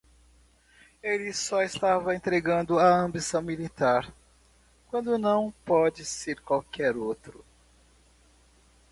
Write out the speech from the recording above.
Ele só está entregando a ambição militar quando não pode ser qualquer outro.